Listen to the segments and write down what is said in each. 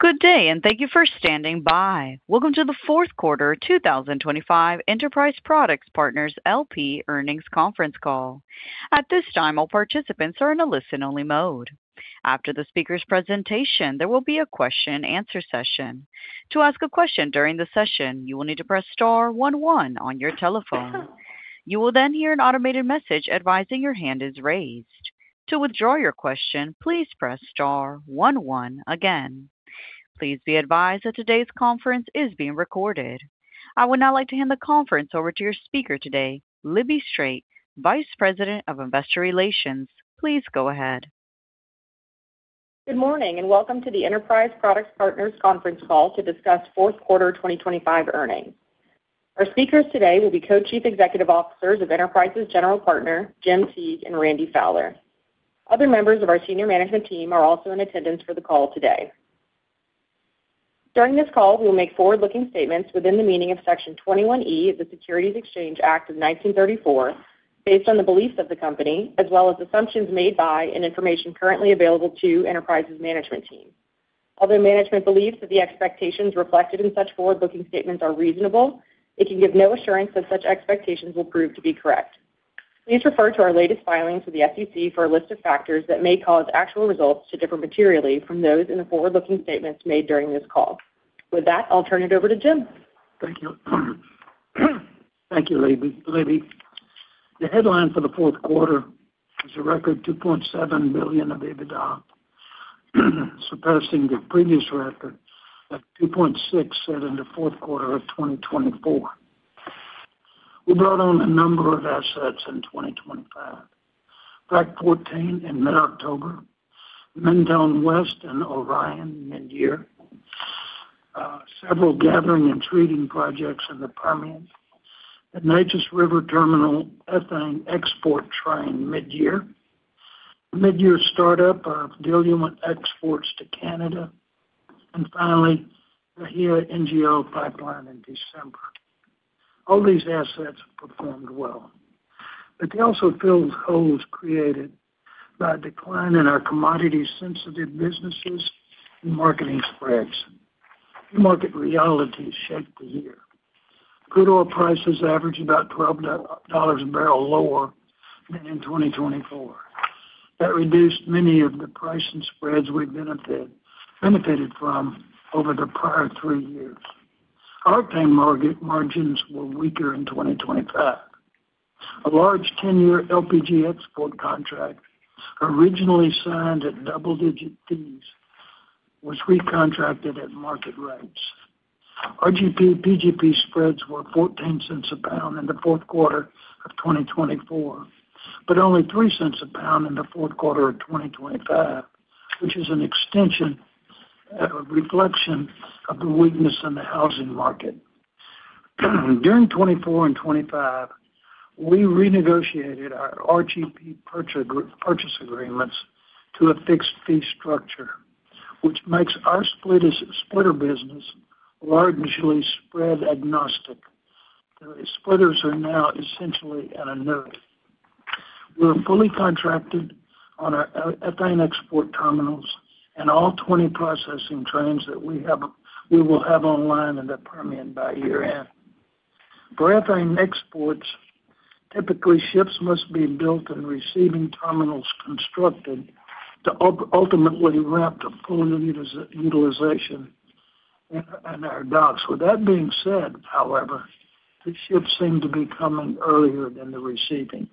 Good day, and thank you for standing by. Welcome to the fourth quarter 2025 Enterprise Products Partners, LP earnings conference call. At this time, all participants are in a listen-only mode. After the speaker's presentation, there will be a question and answer session. To ask a question during the session, you will need to press star one one on your telephone. You will then hear an automated message advising your hand is raised. To withdraw your question, please press star one one again. Please be advised that today's conference is being recorded. I would now like to hand the conference over to your speaker today, Libby Strait, Vice President of Investor Relations. Please go ahead. Good morning, and welcome to the Enterprise Products Partners conference call to discuss fourth quarter 2025 earnings. Our speakers today will be Co-Chief Executive Officers of Enterprise's General Partner, Jim Teague and Randy Fowler. Other members of our senior management team are also in attendance for the call today. During this call, we'll make forward-looking statements within the meaning of Section 21E of the Securities Exchange Act of 1934, based on the beliefs of the company, as well as assumptions made by and information currently available to Enterprise's management team. Although management believes that the expectations reflected in such forward-looking statements are reasonable, it can give no assurance that such expectations will prove to be correct. Please refer to our latest filings with the SEC for a list of factors that may cause actual results to differ materially from those in the forward-looking statements made during this call. With that, I'll turn it over to Jim. Thank you. Thank you, Libby. Libby. The headline for the fourth quarter is a record $2.7 billion of EBITDA, surpassing the previous record of $2.6 billion set in the fourth quarter of 2024. We brought on a number of assets in 2025. Frac 14 in mid-October, Mentone West and Orion midyear, several gathering and treating projects in the Permian, the Neches River Terminal ethane export train midyear, midyear startup of diluent exports to Canada, and finally, the Bahia NGL pipeline in December. All these assets performed well, but they also filled holes created by a decline in our commodity-sensitive businesses and marketing spreads. New market realities shaped the year. Crude oil prices averaged about $12 a barrel lower than in 2024. That reduced many of the price and spreads we benefited from over the prior three years. Our pay market margins were weaker in 2025. A large 10-year LPG export contract, originally signed at double-digit fees, was recontracted at market rates. RGP, PGP spreads were $0.14 a pound in the fourth quarter of 2024, but only $0.03 a pound in the fourth quarter of 2025, which is an extension, a reflection of the weakness in the housing market. During 2024 and 2025, we renegotiated our RGP purchase agreements to a fixed fee structure, which makes our splitter business largely spread agnostic. The splitters are now essentially at a net. We're fully contracted on our ethane export terminals and all 20 processing trains that we have, we will have online in the Permian by year-end. For ethane exports, typically ships must be built and receiving terminals constructed to ultimately ramp to full utilization in our docks. With that being said, however, the ships seem to be coming earlier than the receiving.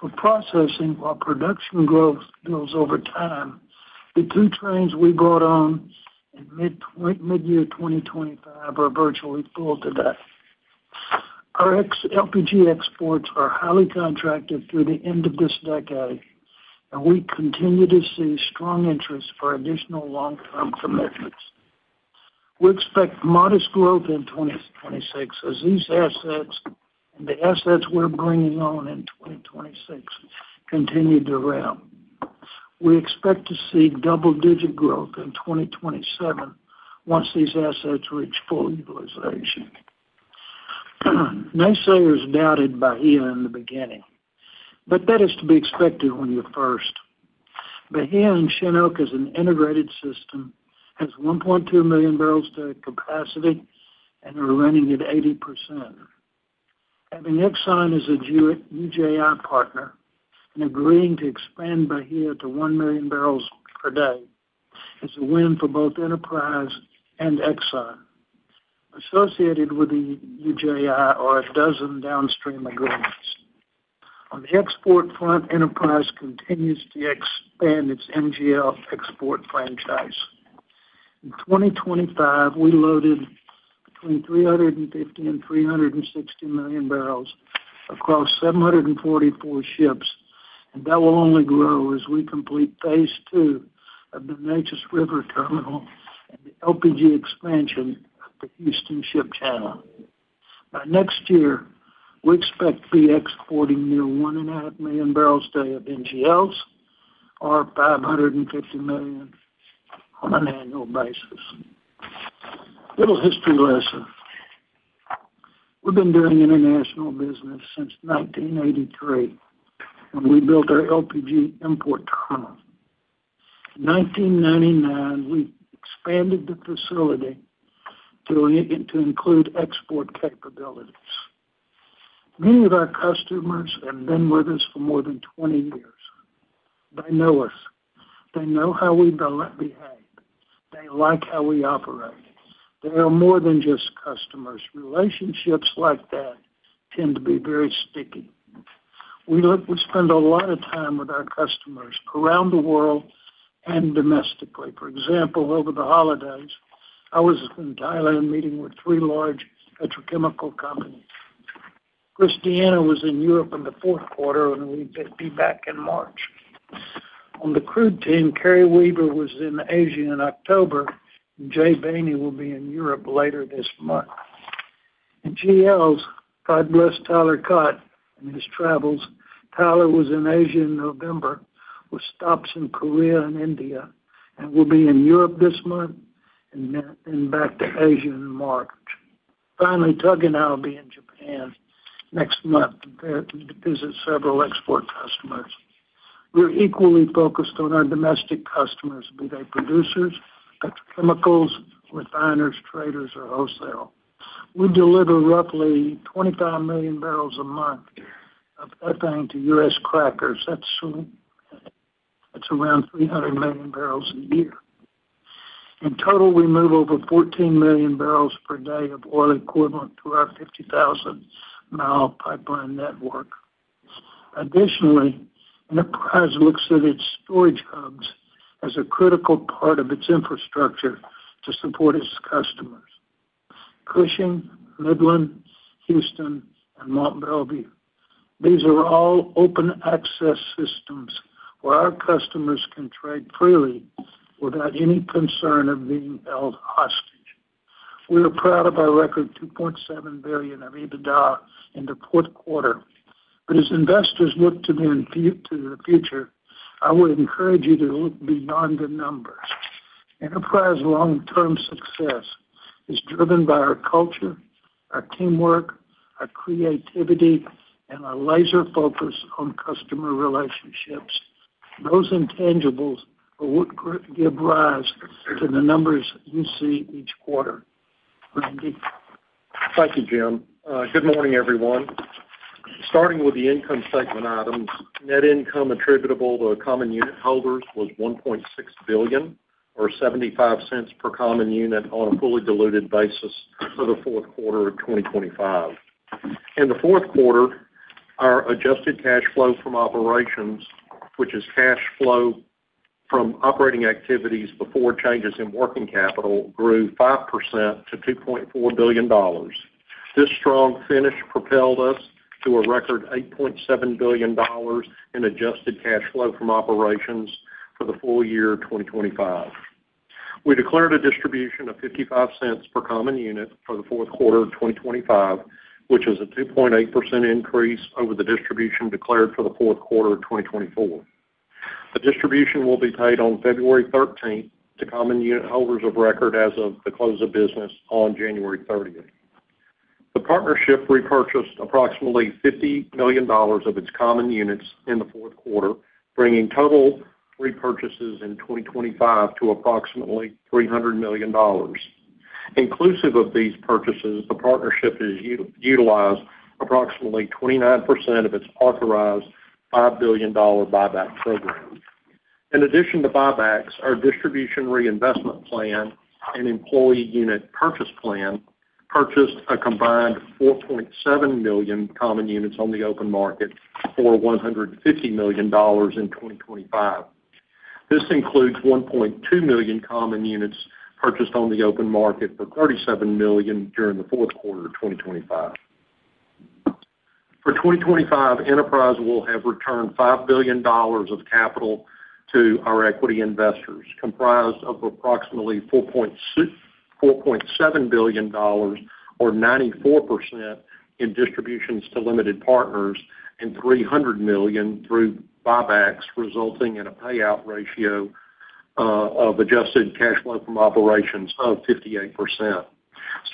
For processing, while production growth builds over time, the two trains we brought on in midyear 2025 are virtually full today. Our LPG exports are highly contracted through the end of this decade, and we continue to see strong interest for additional long-term commitments. We expect modest growth in 2026 as these assets and the assets we're bringing on in 2026 continue to ramp. We expect to see double-digit growth in 2027 once these assets reach full utilization. Naysayers doubted Bahia in the beginning, but that is to be expected when you're first. Bahia and Shin Oak is an integrated system, has 1.2 million barrels to capacity and are running at 80%. Having Exxon as a UJI partner and agreeing to expand Bahia to 1 million barrels per day is a win for both Enterprise and Exxon. Associated with the UJI are a dozen downstream agreements. On the export front, Enterprise continues to expand its NGL export franchise. In 2025, we loaded between 350 and 360 million barrels across 744 ships, and that will only grow as we complete phase two of the Neches River Terminal and the LPG expansion at the Houston Ship Channel. By next year, we expect to be exporting near 1.5 million barrels a day of NGLs, or 550 million on an annual basis. Little history lesson... We've been doing international business since 1983, when we built our LPG import terminal. In 1999, we expanded the facility to include export capabilities. Many of our customers have been with us for more than 20 years. They know us. They know how we behave. They like how we operate. They are more than just customers. Relationships like that tend to be very sticky. We spend a lot of time with our customers around the world and domestically. For example, over the holidays, I was in Thailand meeting with 3 large petrochemical companies. Chris D'Anna was in Europe in the fourth quarter, and he'll be back in March. On the crude team, Carrie Weaver was in Asia in October, and Jay Bany will be in Europe later this month. In GLs, God bless Tyler Cott and his travels. Tyler was in Asia in November, with stops in Korea and India, and will be in Europe this month and then- and back to Asia in March. Finally, Doug and I will be in Japan next month to visit several export customers. We're equally focused on our domestic customers, be they producers, petrochemicals, refiners, traders, or wholesale. We deliver roughly 25 million barrels a month of ethane to U.S. crackers. That's, that's around 300 million barrels a year. In total, we move over 14 million barrels per day of oil equivalent through our 50,000-mile pipeline network. Additionally, Enterprise looks at its storage hubs as a critical part of its infrastructure to support its customers. Cushing, Midland, Houston, and Mont Belvieu, these are all open access systems where our customers can trade freely without any concern of being held hostage. We are proud of our record, $2.7 billion of EBITDA in the fourth quarter. But as investors look to the future, I would encourage you to look beyond the numbers. Enterprise long-term success is driven by our culture, our teamwork, our creativity, and our laser focus on customer relationships. Those intangibles are what give rise to the numbers you see each quarter. Randy? Thank you, Jim. Good morning, everyone. Starting with the income segment items, net income attributable to common unit holders was $1.6 billion, or $0.75 per common unit on a fully diluted basis for the fourth quarter of 2025. In the fourth quarter, our adjusted cash flow from operations, which is cash flow from operating activities before changes in working capital, grew 5% to $2.4 billion. This strong finish propelled us to a record $8.7 billion in adjusted cash flow from operations for the full year of 2025. We declared a distribution of $0.55 per common unit for the fourth quarter of 2025, which is a 2.8% increase over the distribution declared for the fourth quarter of 2024. The distribution will be paid on February thirteenth to common unit holders of record as of the close of business on January thirtieth. The partnership repurchased approximately $50 million of its common units in the fourth quarter, bringing total repurchases in 2025 to approximately $300 million. Inclusive of these purchases, the partnership has utilized approximately 29% of its authorized $5 billion buyback program. In addition to buybacks, our distribution reinvestment plan and employee unit purchase plan purchased a combined 4.7 million common units on the open market for $150 million in 2025. This includes 1.2 million common units purchased on the open market for $37 million during the fourth quarter of 2025. For 2025, Enterprise will have returned $5 billion of capital to our equity investors, comprised of approximately $4.7 billion, or 94%, in distributions to limited partners and $300 million through buybacks, resulting in a payout ratio of adjusted cash flow from operations of 58%.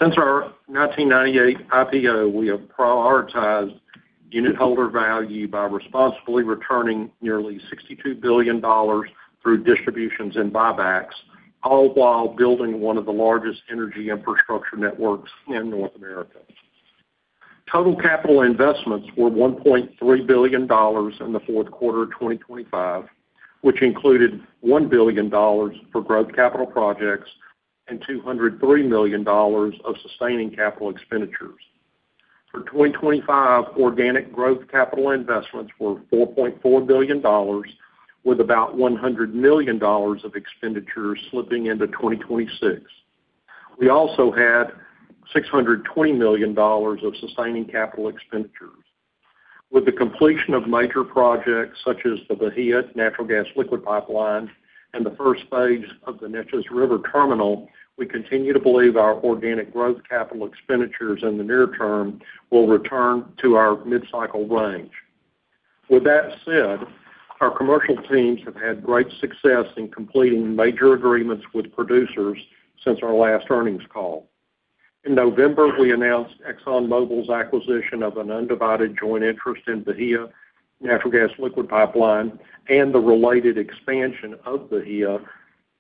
Since our 1998 IPO, we have prioritized unit holder value by responsibly returning nearly $62 billion through distributions and buybacks, all while building one of the largest energy infrastructure networks in North America. Total capital investments were $1.3 billion in the fourth quarter of 2025, which included $1 billion for growth capital projects and $203 million of sustaining capital expenditures. For 2025, organic growth capital investments were $4.4 billion, with about $100 million of expenditures slipping into 2026. We also had $620 million of sustaining capital expenditures. With the completion of major projects such as the Bahia Natural Gas Liquid Pipeline and the first phase of the Neches River Terminal, we continue to believe our organic growth capital expenditures in the near term will return to our mid-cycle range. With that said, our commercial teams have had great success in completing major agreements with producers since our last earnings call. In November, we announced ExxonMobil's acquisition of an undivided joint interest in the Bahia Natural Gas Liquid Pipeline and the related expansion of Bahia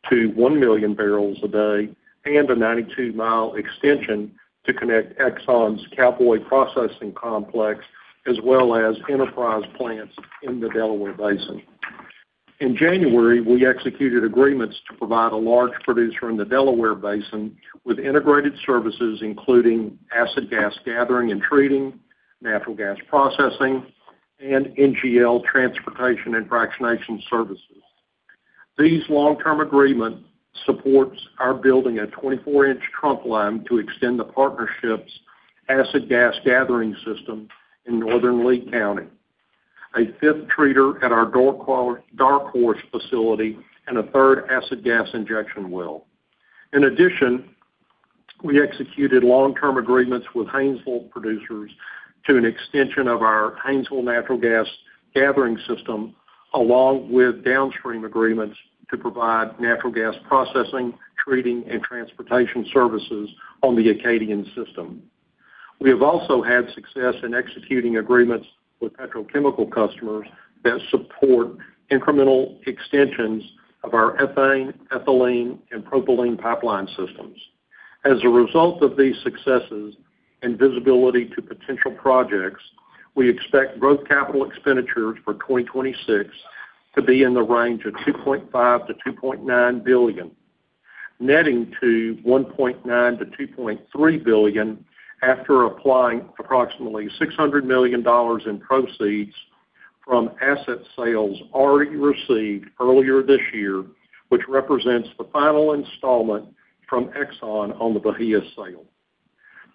to 1 million barrels a day and a 92-mile extension to connect Exxon's Cowboy processing complex, as well as Enterprise plants in the Delaware Basin. In January, we executed agreements to provide a large producer in the Delaware Basin with integrated services, including acid gas gathering and treating, natural gas processing, and NGL transportation and fractionation services. These long-term agreement supports our building a 24-inch trunk line to extend the partnership's acid gas gathering system in northern Lee County, a fifth treater at our Dark Horse facility, and a third acid gas injection well. In addition, we executed long-term agreements with Haynesville producers to an extension of our Haynesville natural gas gathering system, along with downstream agreements to provide natural gas processing, treating, and transportation services on the Acadian system. We have also had success in executing agreements with petrochemical customers that support incremental extensions of our ethane, ethylene, and propylene pipeline systems. As a result of these successes and visibility to potential projects, we expect growth capital expenditures for 2026 to be in the range of $2.5 billion-$2.9 billion, netting to $1.9 billion-$2.3 billion after applying approximately $600 million in proceeds from asset sales already received earlier this year, which represents the final installment from Exxon on the Bahia sale.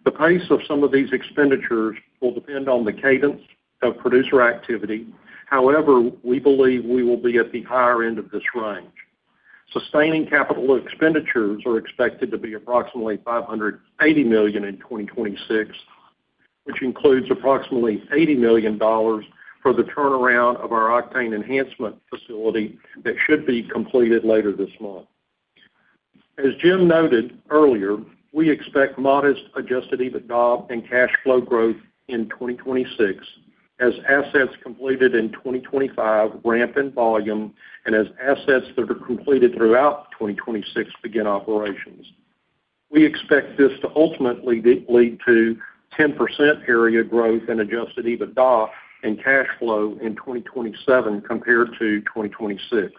The pace of some of these expenditures will depend on the cadence of producer activity. However, we believe we will be at the higher end of this range. Sustaining capital expenditures are expected to be approximately $580 million in 2026, which includes approximately $80 million for the turnaround of our octane enhancement facility that should be completed later this month. As Jim noted earlier, we expect modest adjusted EBITDA and cash flow growth in 2026, as assets completed in 2025 ramp in volume and as assets that are completed throughout 2026 begin operations. We expect this to ultimately lead to 10% area growth in adjusted EBITDA and cash flow in 2027 compared to 2026.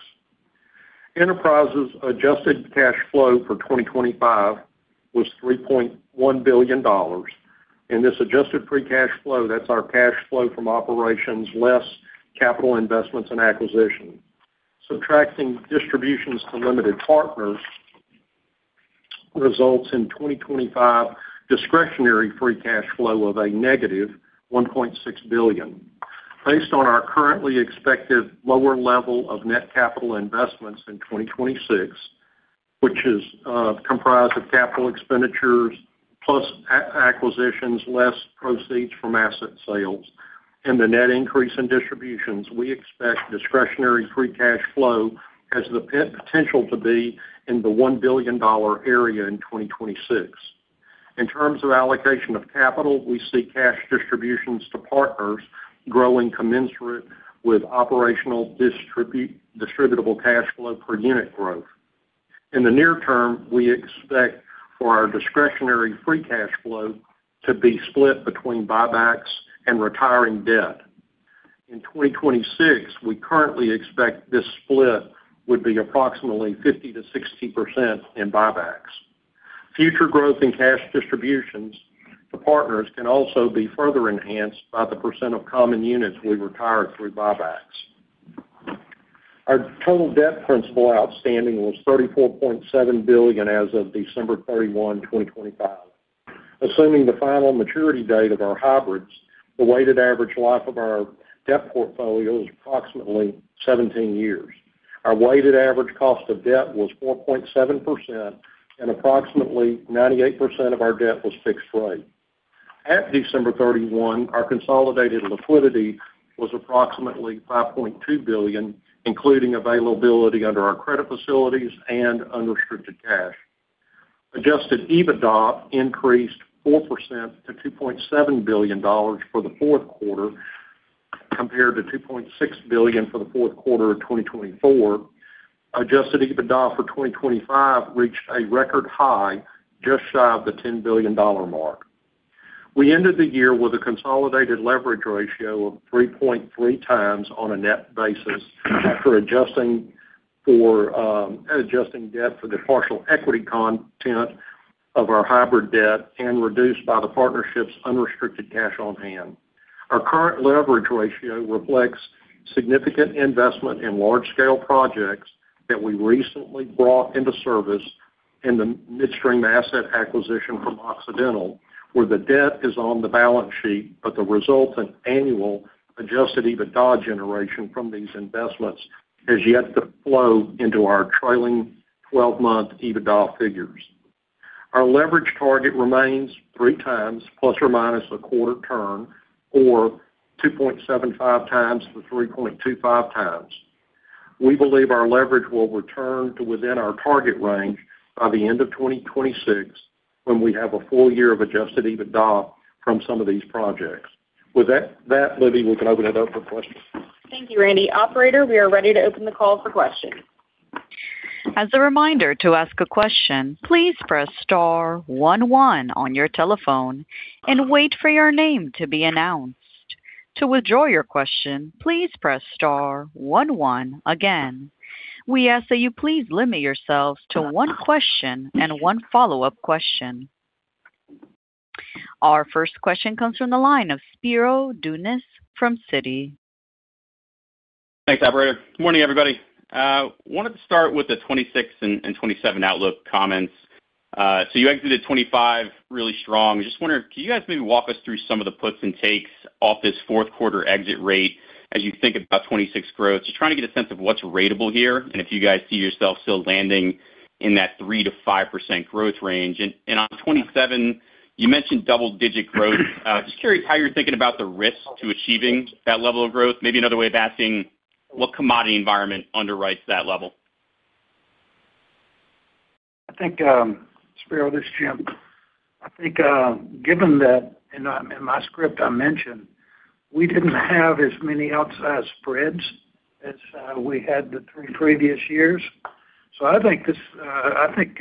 Enterprise's adjusted cash flow for 2025 was $3.1 billion, and this adjusted free cash flow, that's our cash flow from operations, less capital investments and acquisition. Subtracting distributions to limited partners results in 2025 discretionary free cash flow of -$1.6 billion. Based on our currently expected lower level of net capital investments in 2026, which is comprised of capital expenditures, plus acquisitions, less proceeds from asset sales, and the net increase in distributions, we expect discretionary free cash flow has the potential to be in the $1 billion area in 2026. In terms of allocation of capital, we see cash distributions to partners growing commensurate with operational distributable cash flow per unit growth. In the near term, we expect for our discretionary free cash flow to be split between buybacks and retiring debt. In 2026, we currently expect this split would be approximately 50%-60% in buybacks. Future growth in cash distributions to partners can also be further enhanced by the percent of common units we retired through buybacks. Our total debt principal outstanding was $34.7 billion as of December 31, 2025. Assuming the final maturity date of our hybrids, the weighted average life of our debt portfolio is approximately 17 years. Our weighted average cost of debt was 4.7%, and approximately 98% of our debt was fixed rate. At December 31, our consolidated liquidity was approximately $5.2 billion, including availability under our credit facilities and unrestricted cash. Adjusted EBITDA increased 4% to $2.7 billion for the fourth quarter, compared to $2.6 billion for the fourth quarter of 2024. Adjusted EBITDA for 2025 reached a record high just shy of the $10 billion mark. We ended the year with a consolidated leverage ratio of 3.3 times on a net basis, after adjusting for, adjusting debt for the partial equity content of our hybrid debt and reduced by the partnership's unrestricted cash on hand. Our current leverage ratio reflects significant investment in large-scale projects that we recently brought into service in the midstream asset acquisition from Occidental, where the debt is on the balance sheet, but the resultant annual adjusted EBITDA generation from these investments has yet to flow into our trailing twelve-month EBITDA figures. Our leverage target remains 3 times ±0.25 turn, or 2.75-3.25 times. We believe our leverage will return to within our target range by the end of 2026, when we have a full year of adjusted EBITDA from some of these projects. With that, Libby, we can open it up for questions. Thank you, Randy. Operator, we are ready to open the call for questions. As a reminder, to ask a question, please press star one one on your telephone and wait for your name to be announced. To withdraw your question, please press star one one again. We ask that you please limit yourselves to one question and one follow-up question. Our first question comes from the line of Spiro Dounis from Citi. Thanks, operator. Good morning, everybody. Wanted to start with the 2026 and 2027 outlook comments. So you exited 2025 really strong. Just wondering, can you guys maybe walk us through some of the puts and takes off this fourth quarter exit rate as you think about 2026 growth? Just trying to get a sense of what's ratable here, and if you guys see yourself still landing in that 3%-5% growth range. And on 2027, you mentioned double-digit growth. Just curious how you're thinking about the risk to achieving that level of growth. Maybe another way of asking, what commodity environment underwrites that level? I think, Spiro, this is Jim. I think, given that, in my script, I mentioned we didn't have as many outsized spreads as we had the three previous years. So I think this, I think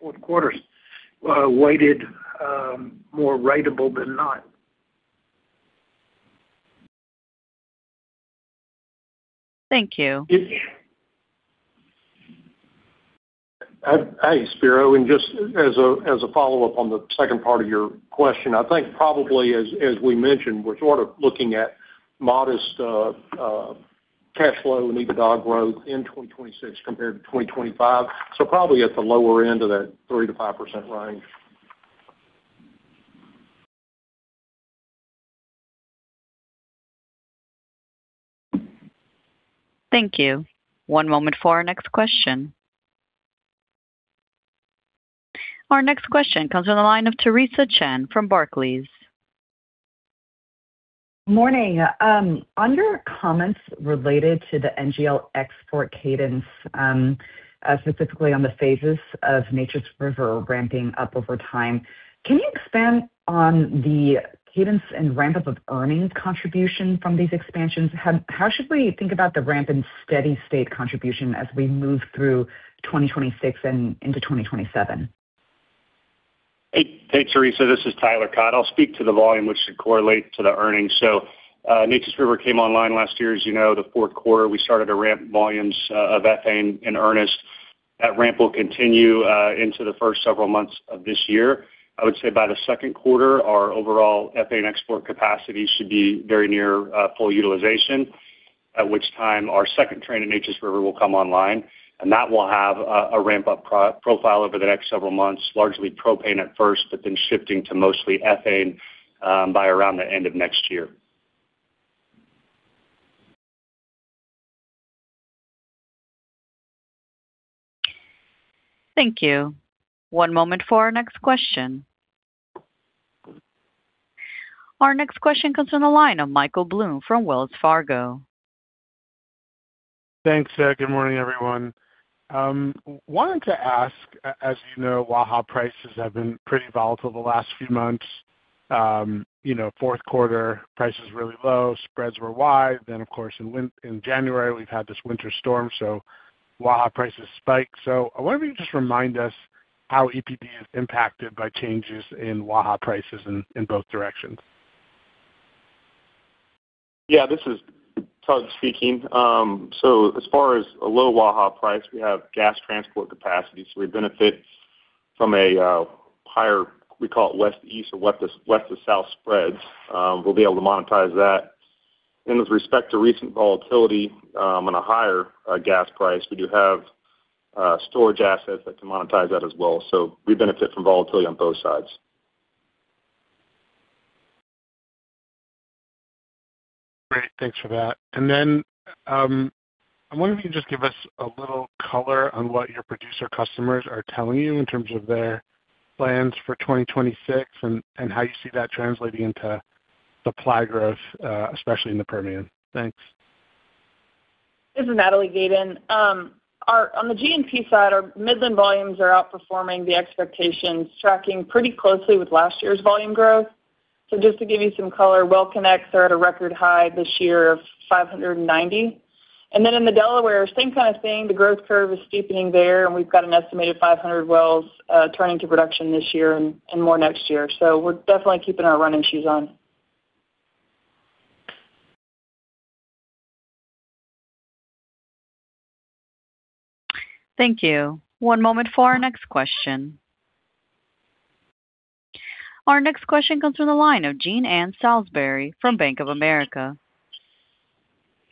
fourth quarter's weighted more ratable than not. Thank you. Hey, Spiro, and just as a follow-up on the second part of your question, I think probably as we mentioned, we're sort of looking at modest cash flow and EBITDA growth in 2026 compared to 2025, so probably at the lower end of that 3%-5% range. Thank you. One moment for our next question. Our next question comes from the line of Theresa Chen from Barclays. Morning. On your comments related to the NGL export cadence, specifically on the phases of Neches River ramping up over time, can you expand on the cadence and ramp-up of earnings contribution from these expansions? How should we think about the ramp in steady state contribution as we move through 2026 and into 2027? Hey. Hey, Theresa, this is Tyler Cott. I'll speak to the volume, which should correlate to the earnings. So, Neches River came online last year. As you know, the fourth quarter, we started to ramp volumes of ethane in earnest. That ramp will continue into the first several months of this year. I would say by the second quarter, our overall ethane export capacity should be very near full utilization, at which time our second train in Neches River will come online, and that will have a ramp-up profile over the next several months, largely propane at first, but then shifting to mostly ethane by around the end of next year. Thank you. One moment for our next question. Our next question comes from the line of Michael Blum from Wells Fargo. Thanks. Good morning, everyone. Wanted to ask, as you know, Waha prices have been pretty volatile the last few months. You know, fourth quarter, prices really low, spreads were wide. Then, of course, in January, we've had this winter storm, so Waha prices spiked. So I wonder if you could just remind us how EPD is impacted by changes in Waha prices in both directions. Yeah, this is Tug speaking. So as far as a low Waha price, we have gas transport capacity, so we benefit from a higher, we call it west-east or west to, west-to-south spreads. We'll be able to monetize that. And with respect to recent volatility, on a higher gas price, we do have storage assets that can monetize that as well. So, we benefit from volatility on both sides. Great. Thanks for that. And then, I wonder if you can just give us a little color on what your producer customers are telling you in terms of their plans for 2026 and, and how you see that translating into supply growth, especially in the Permian. Thanks. This is Natalie Gayden. Our on the GNP side, our Midland volumes are outperforming the expectations, tracking pretty closely with last year's volume growth. So just to give you some color, well connects are at a record high this year of 590. And then in the Delaware, same kind of thing, the growth curve is steepening there, and we've got an estimated 500 wells turning to production this year and more next year. So we're definitely keeping our running shoes on. Thank you. One moment for our next question. Our next question comes from the line of Jean Ann Salisbury from Bank of America.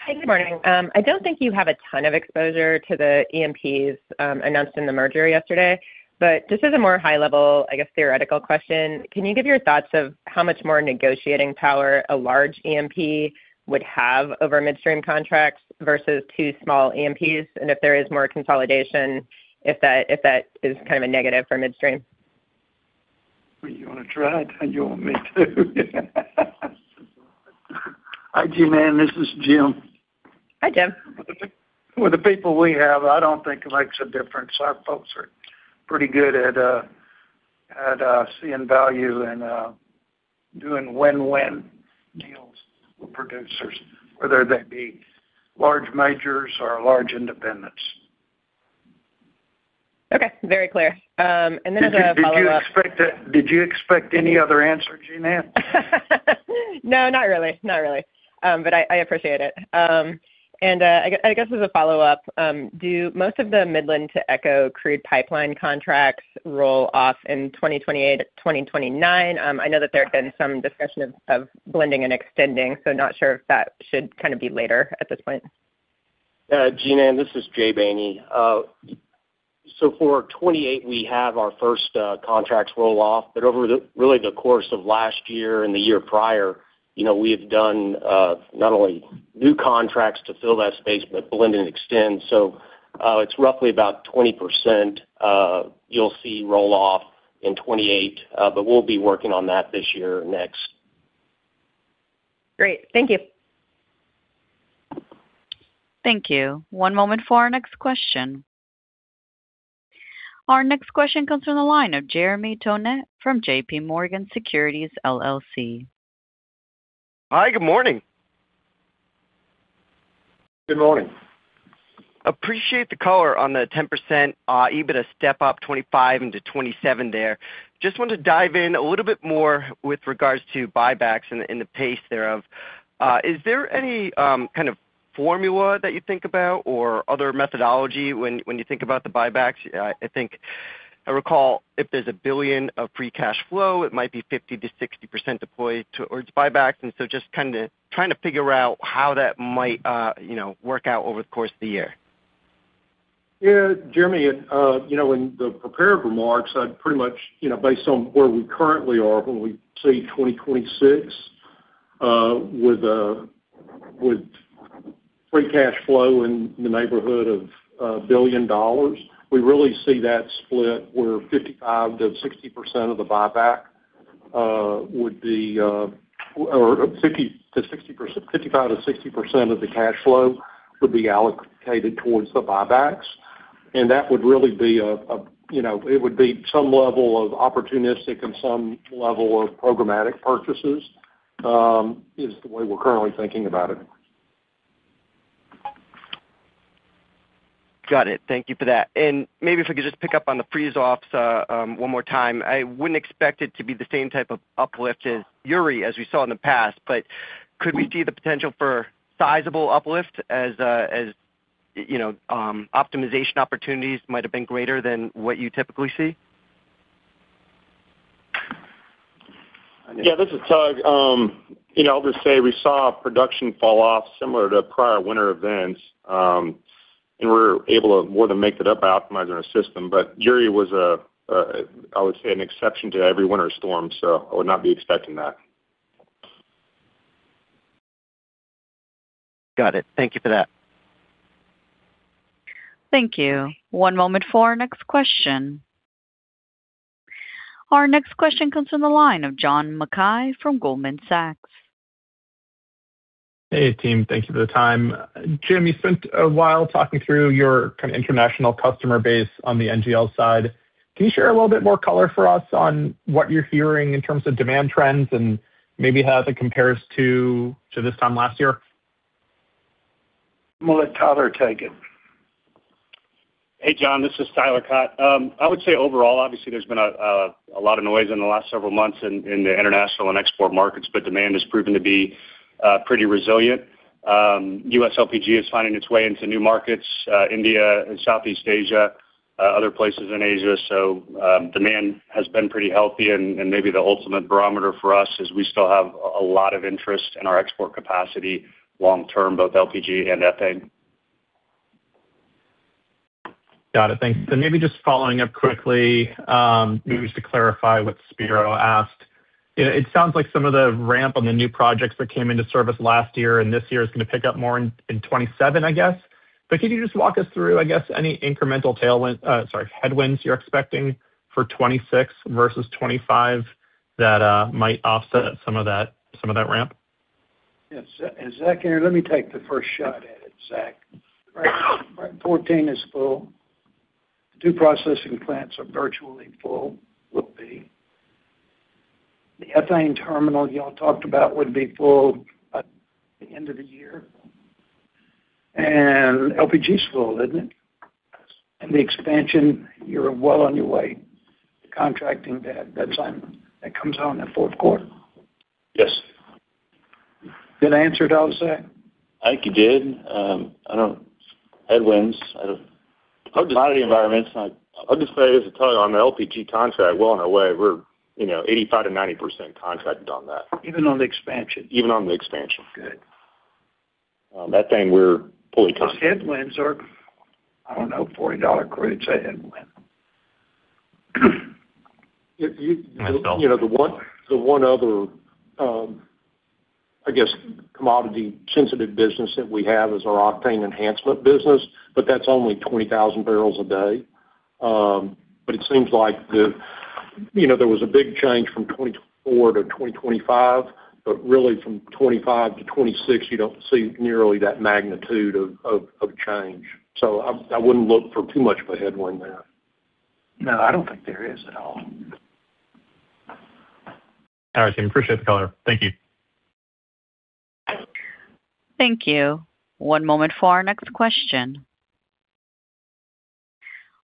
Hi, good morning. I don't think you have a ton of exposure to the E&Ps announced in the merger yesterday, but just as a more high level, I guess, theoretical question, can you give your thoughts of how much more negotiating power a large E&P would have over midstream contracts versus two small E&Ps? And if there is more consolidation, if that is kind of a negative for midstream? Well, you want to try it, and you want me to? Hi, Jean Ann, this is Jim. Hi, Jim. With the people we have, I don't think it makes a difference. Our folks are pretty good at seeing value and doing win-win deals with producers, whether they be large majors or large independents. Okay, very clear. And then as a follow-up. Did you expect any other answer, Jean Ann? No, not really. Not really. But I, I appreciate it. And, I guess as a follow-up, do most of the Midland to Echo crude pipeline contracts roll off in 2028, 2029? I know that there have been some discussion of blending and extending, so not sure if that should kind of be later at this point. Jean Ann, this is J. Bany. So for 2028, we have our first contracts roll off, but over, really, the course of last year and the year prior, you know, we have done not only new contracts to fill that space, but blend and extend. So it's roughly about 20%, you'll see roll off in 2028, but we'll be working on that this year or next. Great. Thank you. Thank you. One moment for our next question. Our next question comes from the line of Jeremy Tonet from JPMorgan Securities LLC. Hi, good morning. Good morning. Appreciate the color on the 10%, EBITDA step up, 25 into 27 there. Just wanted to dive in a little bit more with regards to buybacks and the pace thereof. Is there any kind of formula that you think about or other methodology when you think about the buybacks? I think I recall if there's $1 billion of free cash flow, it might be 50%-60% deployed towards buybacks, and so just kind of trying to figure out how that might, you know, work out over the course of the year. Yeah, Jeremy, you know, in the prepared remarks, I pretty much, you know, based on where we currently are, when we see 2026 with free cash flow in the neighborhood of $1 billion, we really see that split where 55%-60% of the cash flow would be allocated towards the buybacks. And that would really be a, you know, it would be some level of opportunistic and some level of programmatic purchases, is the way we're currently thinking about it. Got it. Thank you for that. Maybe if we could just pick up on the freeze-offs one more time. I wouldn't expect it to be the same type of uplift as Yuri, as we saw in the past, but could we see the potential for sizable uplift as you know optimization opportunities might have been greater than what you typically see? Yeah, this is Tug. You know, I'll just say we saw production fall off similar to prior winter events, and we're able to more than make that up by optimizing our system. But Yuri was a, I would say, an exception to every winter storm, so I would not be expecting that. Got it. Thank you for that. Thank you. One moment for our next question. Our next question comes from the line of John Mackay from Goldman Sachs. Hey, team, thank you for the time. Jim, you spent a while talking through your kind of international customer base on the NGL side. Can you share a little bit more color for us on what you're hearing in terms of demand trends and maybe how that compares to this time last year? I'm gonna let Tyler take it. Hey, John, this is Tyler Cott. I would say overall, obviously, there's been a lot of noise in the last several months in the international and export markets, but demand has proven to be pretty resilient. U.S. LPG is finding its way into new markets, India and Southeast Asia, other places in Asia. So, demand has been pretty healthy, and maybe the ultimate barometer for us is we still have a lot of interest in our export capacity long term, both LPG and ethane. Got it. Thanks. So maybe just following up quickly, maybe just to clarify what Spiro asked. You know, it sounds like some of the ramp on the new projects that came into service last year and this year is gonna pick up more in 2027, I guess. But could you just walk us through, I guess, any incremental tailwind, sorry, headwinds you're expecting for 2026 versus 2025 that might offset some of that, some of that ramp? Yes. Is Zach here? Let me take the first shot at it, Zach. 14 is full. The two processing plants are virtually full, will be. The ethane terminal y'all talked about would be full by the end of the year. And LPG is full, isn't it? Yes. The expansion, you're well on your way to contracting that deadline that comes out in the fourth quarter? Yes. Good answer, Tyler, Zach? I think you did. I'll just say this, as Tug, on the LPG contract, we're on our way. We're, you know, 85%-90% contracted on that. Even on the expansion? Even on the expansion. Good. That thing we're fully- The headwinds are, I don't know, $40 crude's a headwind. You, you- I know. You know, the one other, I guess, commodity-sensitive business that we have is our octane enhancement business, but that's only 20,000 barrels a day. But it seems like the, you know, there was a big change from 2024 to 2025, but really from 2025 to 2026, you don't see nearly that magnitude of change. So, I wouldn't look for too much of a headwind there. No, I don't think there is at all. All right, so we appreciate the color. Thank you. Thank you. One moment for our next question.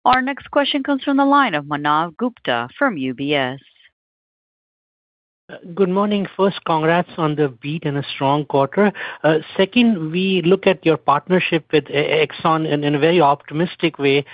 Our next question comes from the line of Manav Gupta from UBS. Good morning. First, congrats on the beat and a strong quarter. Second, we look at your partnership with Exxon in a very optimistic way,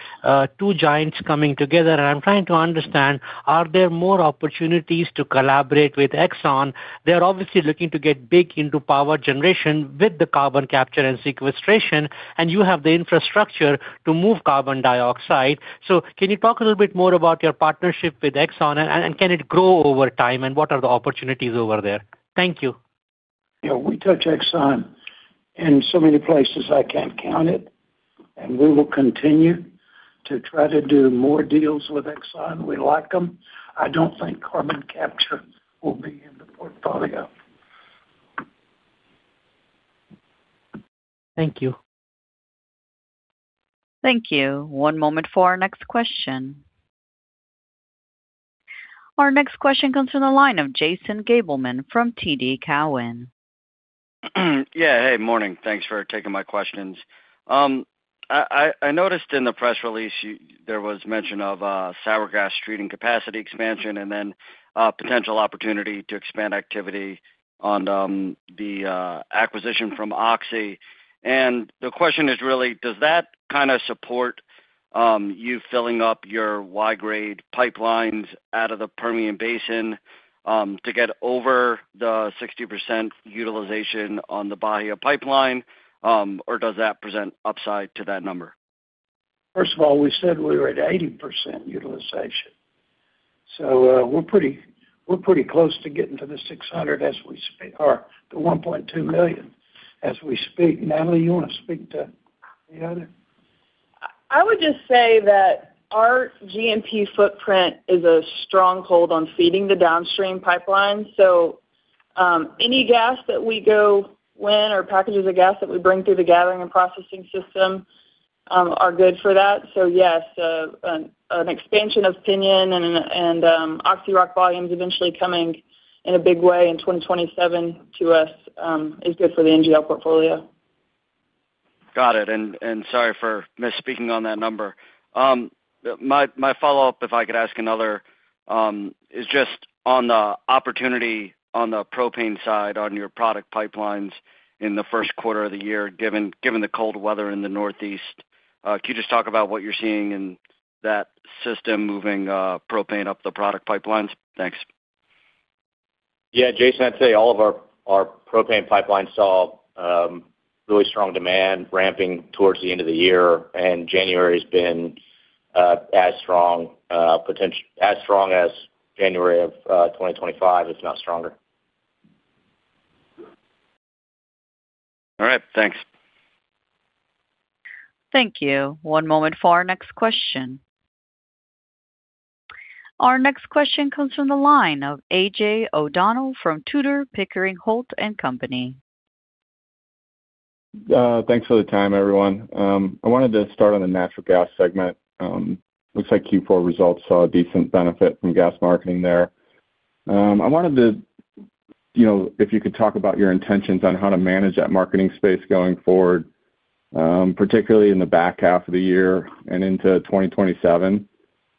two giants coming together. And I'm trying to understand, are there more opportunities to collaborate with Exxon? They're obviously looking to get big into power generation with the carbon capture and sequestration, and you have the infrastructure to move carbon dioxide. So can you talk a little bit more about your partnership with Exxon, and can it grow over time, and what are the opportunities over there? Thank you. Yeah, we touch Exxon in so many places, I can't count it, and we will continue to try to do more deals with Exxon. We like them. I don't think carbon capture will be in the portfolio. Thank you. Thank you. One moment for our next question. Our next question comes from the line of Jason Gabelman from TD Cowen. Yeah, hey, morning. Thanks for taking my questions. I noticed in the press release, there was mention of sour gas treating capacity expansion and then potential opportunity to expand activity on the acquisition from Oxy. And the question is really: Does that kind of support you filling up your Y-grade pipelines out of the Permian Basin to get over the 60% utilization on the Bahia Pipeline or does that present upside to that number? First of all, we said we were at 80% utilization, so, we're pretty, we're pretty close to getting to the 600 as we speak or the 1.2 million as we speak. Natalie, you want to speak to the other? I would just say that our GMP footprint is a strong hold on feeding the downstream pipeline. So, any gas that we go win or packages of gas that we bring through the gathering and processing system, are good for that. So yes, an expansion of Piñon and OxyROC volumes eventually coming in a big way in 2027 to us, is good for the NGL portfolio. Got it. And sorry for misspeaking on that number. My follow-up, if I could ask another, is just on the opportunity on the propane side, on your product pipelines in the first quarter of the year, given the cold weather in the Northeast. Can you just talk about what you're seeing in that system moving propane up the product pipelines? Thanks. Yeah, Jason, I'd say all of our propane pipelines saw really strong demand ramping towards the end of the year, and January's been as strong as January of 2025. It's now stronger. All right. Thanks. Thank you. One moment for our next question. Our next question comes from the line of A.J. O'Donnell from Tudor, Pickering, Holt & Company. Thanks for the time, everyone. I wanted to start on the natural gas segment. Looks like Q4 results saw a decent benefit from gas marketing there. I wanted to, you know, if you could talk about your intentions on how to manage that marketing space going forward, particularly in the back half of the year and into 2027,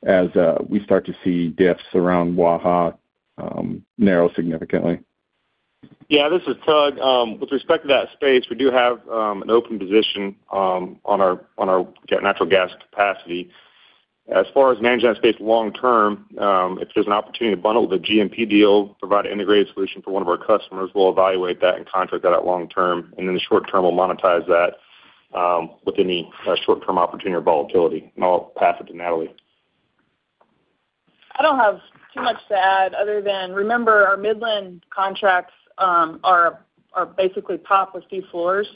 as we start to see diffs around Waha, narrow significantly. Yeah, this is Tug. With respect to that space, we do have an open position on our natural gas capacity. As far as managing that space long term, if there's an opportunity to bundle the GMP deal, provide an integrated solution for one of our customers, we'll evaluate that and contract that out long term. And then the short term, we'll monetize that with any short-term opportunity or volatility. And I'll pass it to Natalie. I don't have too much to add, other than, remember, our Midland contracts are basically top with few floors.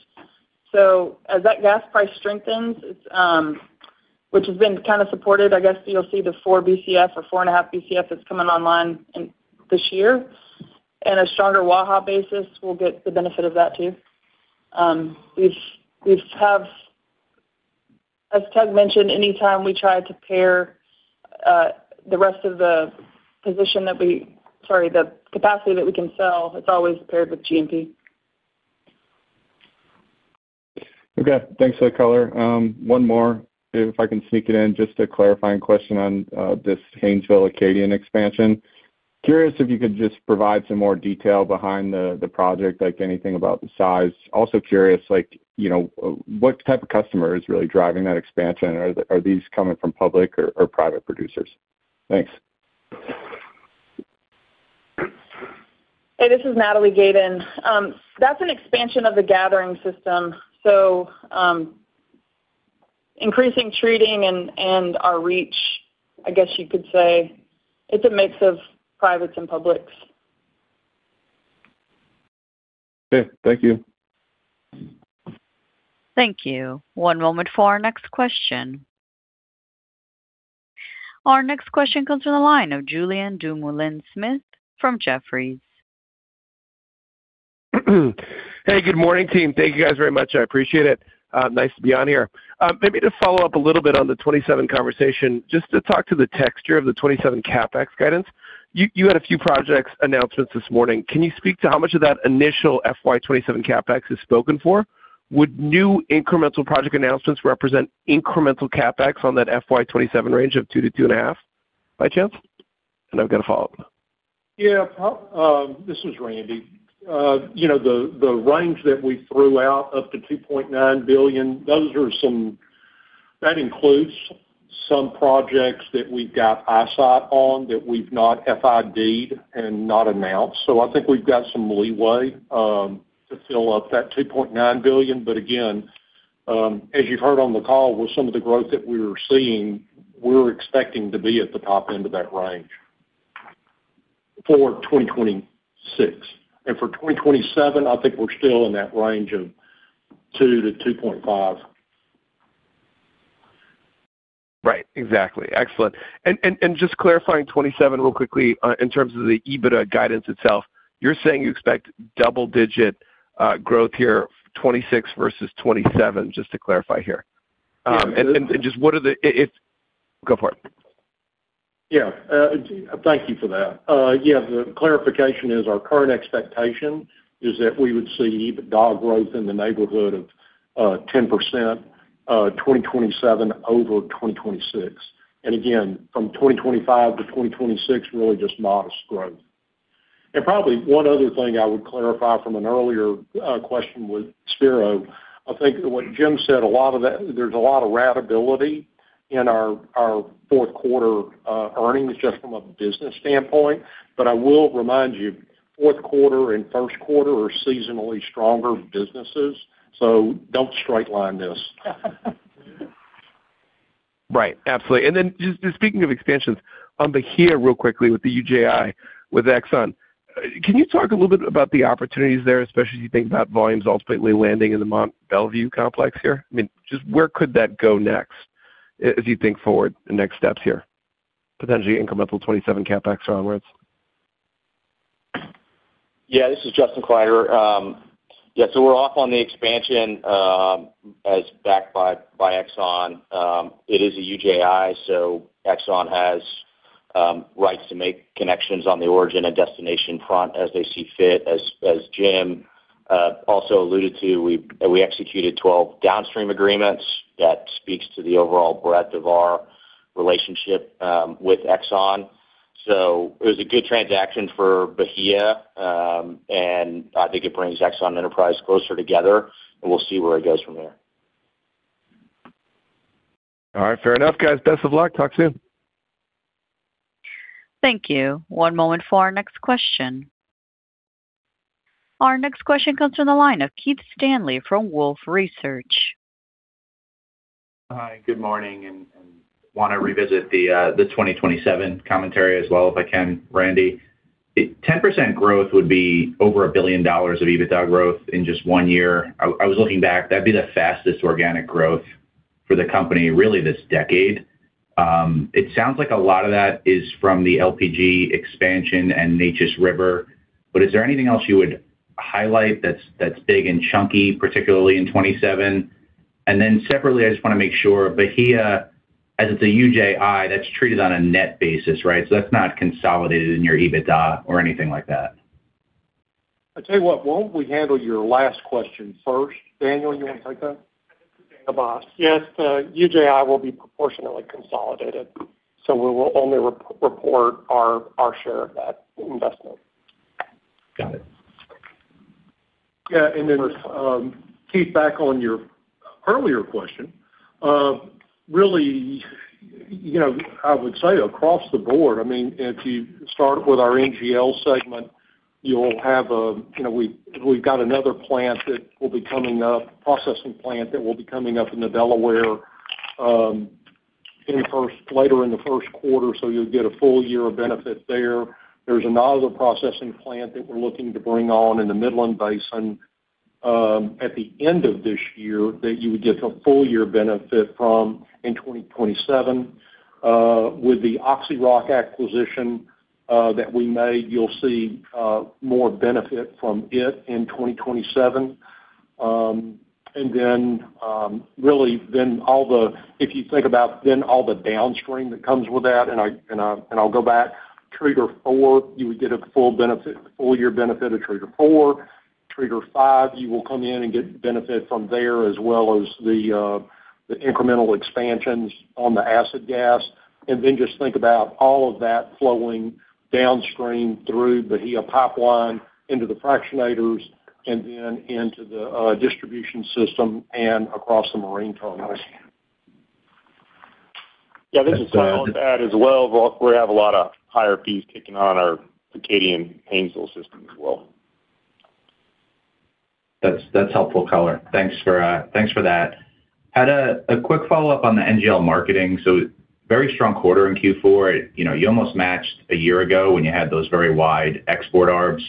So, as that gas price strengthens, it's, which has been kind of supported, I guess, you'll see the 4 BCF or 4.5 BCF that's coming online in this year, and a stronger Waha basis will get the benefit of that, too. As Tug mentioned, anytime we try to pair the capacity that we can sell, it's always paired with GMP. Okay, thanks for the color. One more, if I can sneak it in, just a clarifying question on this Haynesville Acadian expansion. Curious if you could just provide some more detail behind the project, like anything about the size. Also curious, like, you know, what type of customer is really driving that expansion? Are these coming from public or private producers? Thanks. Hey, this is Natalie Gayden. That's an expansion of the gathering system. So, increasing treating and, and our reach, I guess you could say it's a mix of privates and publics. Okay. Thank you. Thank you. One moment for our next question. Our next question comes from the line of Julian Dumoulin-Smith from Jefferies. Hey, good morning, team. Thank you, guys, very much. I appreciate it. Nice to be on here. Maybe to follow up a little bit on the 2027 conversation, just to talk to the texture of the 2027 CapEx guidance. You had a few projects announcements this morning. Can you speak to how much of that initial FY 2027 CapEx is spoken for? Would new incremental project announcements represent incremental CapEx on that FY 2027 range of $2-$2.5, by chance? And I've got a follow-up. Yeah, this is Randy. You know, the range that we threw out, up to $2.9 billion, those include some projects that we've got eye on, that we've not FID-ed and not announced. So, I think we've got some leeway to fill up that $2.9 billion. But again, as you've heard on the call, with some of the growth that we were seeing, we're expecting to be at the top end of that range for 2026. And for 2027, I think we're still in that range of $2 billion-$2.5 billion. Right. Exactly. Excellent. And just clarifying 27 really quickly, in terms of the EBITDA guidance itself, you're saying you expect double-digit growth here, 26 versus 27, just to clarify here. Yeah. Just what are the, it is, go for it. Yeah. Thank you for that. Yeah, the clarification is our current expectation is that we would see EBITDA growth in the neighborhood of 10%, 2027 over 2026, and again, from 2025 to 2026, really just modest growth. And probably one other thing I would clarify from an earlier question with Spiro, I think what Jim said, a lot of that, there's a lot of ratability in our fourth quarter earnings, just from a business standpoint. But I will remind you, fourth quarter and first quarter are seasonally stronger businesses, so don't straight line this. Right. Absolutely. And then just, just speaking of expansions, on the here, real quickly, with the UJI, with Exxon, can you talk a little bit about the opportunities there, especially as you think about volumes ultimately landing in the Mont Belvieu complex here? I mean, just where could that go next, as you think forward, the next steps here, potentially incremental 27 CapEx onwards? Yeah, this is Justin Kleiderer. Yeah, so we're off on the expansion, as backed by, by Exxon. It is a UJI, so Exxon has rights to make connections on the origin and destination front as they see fit. As, as Jim also alluded to, we, we executed 12 downstream agreements. That speaks to the overall breadth of our relationship with Exxon. So, it was a good transaction for Bahia, and I think it brings Exxon and Enterprise closer together, and we'll see where it goes from there. All right. Fair enough, guys. Best of luck. Talk soon. Thank you. One moment for our next question. Our next question comes from the line of Keith Stanley from Wolfe Research. Hi, good morning, and want to revisit the 2027 commentary as well, if I can, Randy. 10% growth would be over $1 billion of EBITDA growth in just one year. I was looking back, that'd be the fastest organic growth for the company, really this decade. It sounds like a lot of that is from the LPG expansion and Neches River. But is there anything else you would highlight that's big and chunky, particularly in 2027? And then separately, I just want to make sure, Bahia, as it's a UJI, that's treated on a net basis, right? So that's not consolidated in your EBITDA or anything like that. I tell you what, why don't we handle your last question first? Daniel, you want to take that? Yes, UJI will be proportionately consolidated, so we will only report our share of that investment. Got it. Yeah, and then, Keith, back on your earlier question. Really, you know, I would say across the board, I mean, if you start with our NGL segment, you'll have, you know, we've got another plant that will be coming up, processing plant that will be coming up in the Delaware later in the first quarter, so you'll get a full year of benefit there. There's another processing plant that we're looking to bring on in the Midland Basin at the end of this year, that you would get a full year benefit from in 2027. With the OxyRock acquisition that we made, you'll see more benefit from it in 2027. And then, really, all the downstream that comes with that, and I'll go back, trigger four, you would get a full benefit, a full year benefit of Trigger 4. Trigger 5, you will come in and get benefit from there, as well as the incremental expansions on the acid gas. And then just think about all of that flowing downstream through the Bahia pipeline into the fractionators and then into the distribution system and across the marine terminal. Yeah, this is Justin. I'll add as well, we'll have a lot of higher fees kicking on our Acadian Haynesville system as well. That's, that's helpful color. Thanks for, thanks for that. Had a quick follow-up on the NGL marketing. So very strong quarter in Q4. You know, you almost matched a year ago when you had those very wide export ARBs.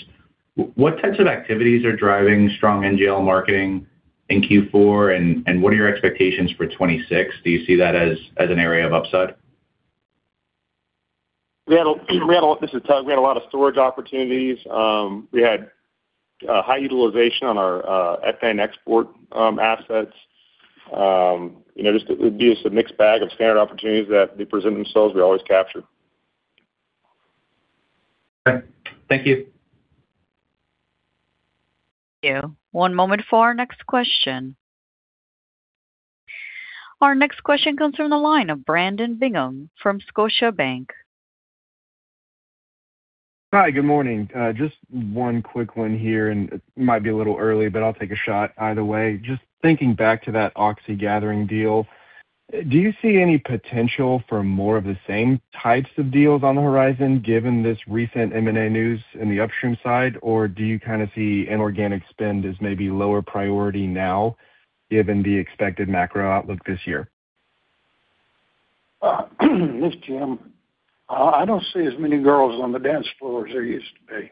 What types of activities are driving strong NGL marketing in Q4, and what are your expectations for 2026? Do you see that as an area of upside? This is Tug. We had a lot of storage opportunities. We had high utilization on our ethane export assets. You know, just it would be just a mixed bag of standard opportunities that they present themselves, we always capture. Okay. Thank you. Thank you. One moment for our next question. Our next question comes from the line of Brandon Bingham from Scotiabank. Hi, good morning. Just one quick one here, and it might be a little early, but I'll take a shot either way. Just thinking back to that Oxy Gathering deal, do you see any potential for more of the same types of deals on the horizon, given this recent M&A news in the upstream side? Or do you kind of see inorganic spend as maybe lower priority now, given the expected macro-outlook this year? This is Jim. I don't see as many girls on the dance floor as there used to be.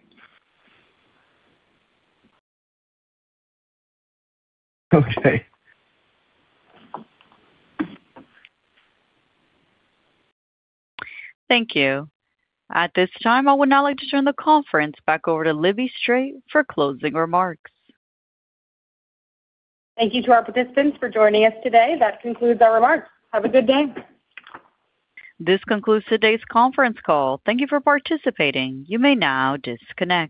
Okay. Thank you. At this time, I would now like to turn the conference back over to Libby Strait for closing remarks. Thank you to our participants for joining us today. That concludes our remarks. Have a good day. This concludes today's conference call. Thank you for participating. You may now disconnect.